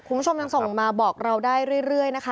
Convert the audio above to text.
คุณผู้ชมยังส่งมาบอกเราได้เรื่อยนะคะ